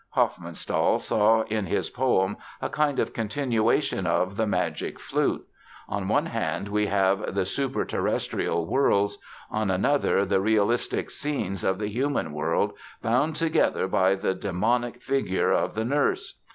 Hofmannsthal saw in his poem a "kind of continuation of The Magic Flute. On one hand we have the superterrestrial worlds, on another the realistic scenes of the human world bound together by the demonic figure of the Nurse.